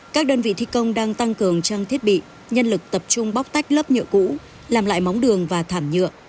các đơn vị thi công đang tăng cường trang thiết bị nhân lực tập trung bóc tách lớp nhựa cũ làm lại móng đường và thảm nhựa